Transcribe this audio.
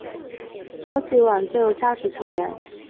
超级碗最有价值球员。